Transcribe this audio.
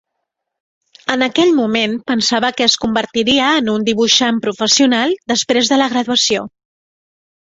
En aquell moment pensava que es convertiria en un dibuixant professional després de la graduació.